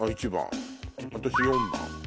私４番。